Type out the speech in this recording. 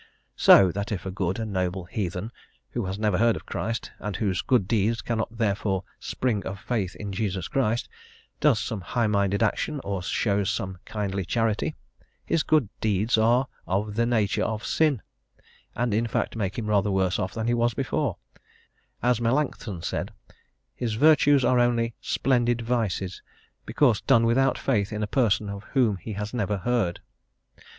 So that if a good and noble heathen, who has never heard of Christ, and whose good deeds cannot therefore "spring of faith in Jesus Christ," does some high minded action, or shows some kindly charity, his good deeds are of "the nature of sin," and in fact make him rather worse off than he was before: as Melancthon said, his virtues are only "splendid vices" because done without faith in a person of whom he has never heard.